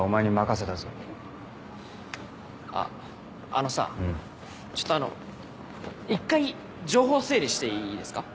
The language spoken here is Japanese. ああのさちょっとあの一回情報整理していいですか？